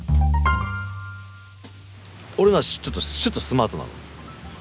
俺のはちょっとシュッとスマートなの。